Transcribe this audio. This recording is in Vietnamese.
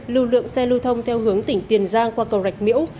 lưu lượng xe lưu thông theo hướng tỉnh tiền giang qua cầu rạch miễu